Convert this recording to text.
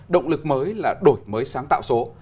động lực mới là đổi mới sáng tạo số